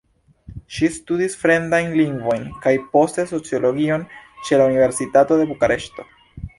Ŝi studis fremdajn lingvojn kaj poste sociologion ĉe la Universitato de Bukareŝto.